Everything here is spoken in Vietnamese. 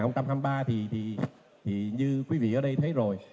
năm hai nghìn hai mươi ba thì như quý vị ở đây thấy rồi